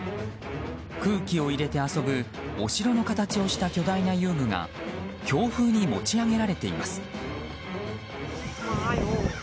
空気を入れて遊ぶお城の形をした巨大な遊具が強風に持ち上げられています。